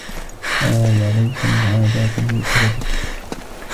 هذا ليس من عاداته أبدا.